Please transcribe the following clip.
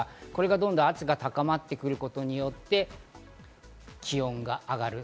どんどん圧が高まってくることによって気温が上がる。